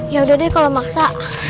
yaudah deh kalo maksa